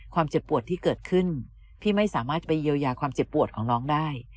เจ็บปวดที่เกิดขึ้นพี่ไม่สามารถจะไปเยียวยาความเจ็บปวดของน้องได้